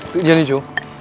tự nhiên đi chú